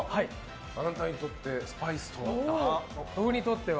あなたにとってスパイスとは。